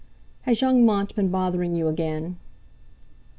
"Has young Mont been bothering you again?"